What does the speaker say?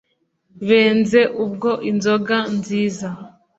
benze ubwo inzoga nziza